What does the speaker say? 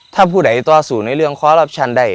ถ้าผู้ใดต่อสู่ในเรื่องคอรัปชั่นได้